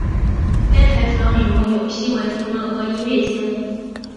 该台主要内容有新闻评论和音乐节目。